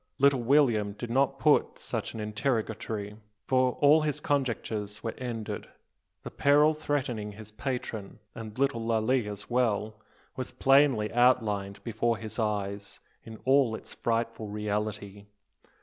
Little William did not put such an interrogatory. All his conjectures were ended. The peril threatening his patron, and little Lalee as well, was plainly outlined before his eyes, in all its frightful reality.